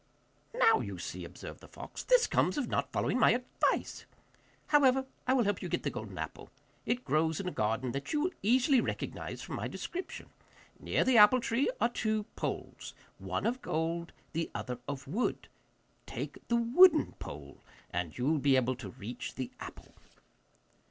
'Now you see,' observed the fox, 'this comes of not following my advice. However, I will help you to get the golden apple. It grows in a garden that you will easily recognise from my description. Near the apple tree are two poles, one of gold, the other of wood. Take the wooden pole, and you will be able to reach the apple.